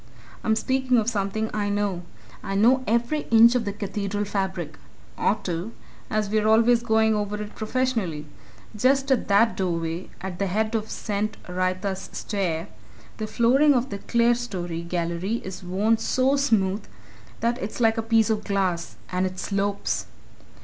I'm speaking of something I know. I know every inch of the Cathedral fabric ought to, as we're always going over it, professionally. Just at that doorway, at the head of St. Wrytha's Stair, the flooring of the clerestory gallery is worn so smooth that it's like a piece of glass and it slopes!